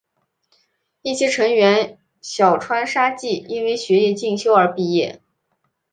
一期成员小川纱季因为学业进修而毕业。